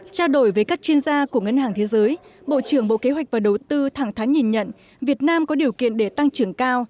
trao đổi với các chuyên gia của ngân hàng thế giới bộ trưởng bộ kế hoạch và đầu tư thẳng thắn nhìn nhận việt nam có điều kiện để tăng trưởng cao